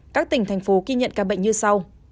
các tỉnh thành phố ghi nhận ca bệnh như sau